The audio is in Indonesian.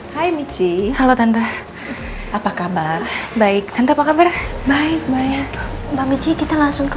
hai hai michi halo tante apa kabar baik tante apa kabar baik baik mbak michi kita langsung ke